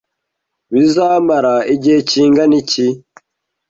Bizamara igihe kingana iki?